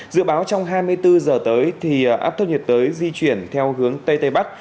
dự báo trong hai mươi bốn giờ tới thì áp thấp nhiệt đới di chuyển theo hướng tây tây bắc